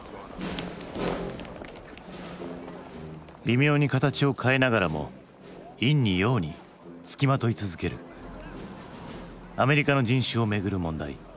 微妙に形を変えながらも陰に陽につきまとい続けるアメリカの人種をめぐる問題。